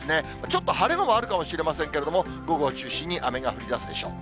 ちょっと晴れ間もあるかもしれませんけれども、午後を中心に雨が降りだすでしょう。